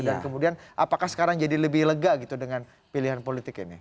dan kemudian apakah sekarang jadi lebih lega dengan pilihan politik ini